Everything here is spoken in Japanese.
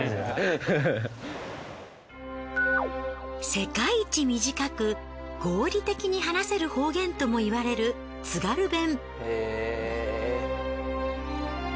世界一短く合理的に話せる方言ともいわれる津軽弁。